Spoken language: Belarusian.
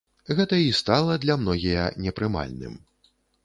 Гэта і стала для многія непрымальным.